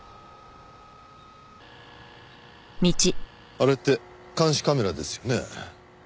あれって監視カメラですよね？